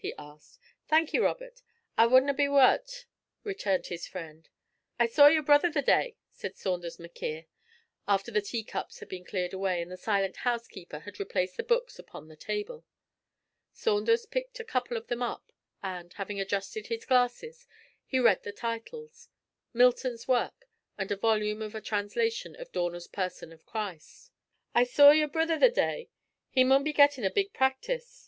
he asked. 'Thank ye, Robert, I wadna be waur o't,' returned his friend. 'I saw your brither the day,' said Saunders M'Quhirr, after the tea cups had been cleared away, and the silent housekeeper had replaced the books upon the table. Saunders picked a couple of them up, and, having adjusted his glasses, he read the titles Milton's Works, and a volume of a translation of Dorner's Person of Christ. 'I saw yer brither the day; he maun be gettin' a big practice!'